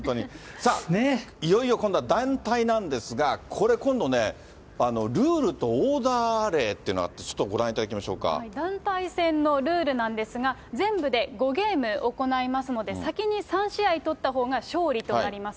さあ、いよいよ今度は団体なんですが、これ、今度ね、ルールとオーダー例というのがあって、ちょっとご覧いただきまし団体戦のルールなんですが、全部で５ゲーム行いますので、先に３試合取ったほうが勝利となります。